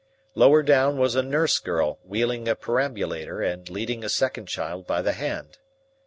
Lower down was a nurse girl wheeling a perambulator and leading a second child by the hand.